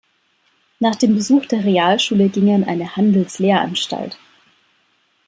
Nach dem Besuch der Realschule ging er in eine "Handelslehranstalt".